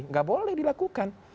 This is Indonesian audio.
nggak boleh dilakukan